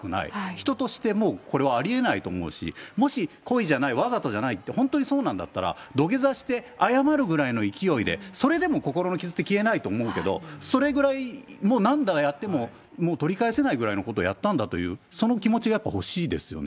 人としてもうこれはありえないと思うし、もし、故意じゃない、わざとじゃないって、本当にそうなんだったら、土下座して謝るぐらいの勢いで、それでも心の傷って消えないと思うけど、それぐらい、もう何度やってももう取り返せないぐらいのことをやったんだという、その気持ちがやっぱり欲しいですよね。